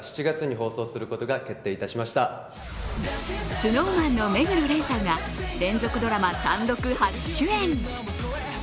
ＳｎｏｗＭａｎの目黒蓮さんが連続ドラマ初主演。